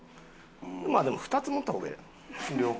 まあでも２つ持った方がええやろ両方。